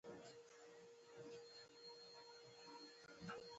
غربي یا په اصطلاح متمدن هېوادونه درېیمې نړۍ ته په څه سترګه ګوري.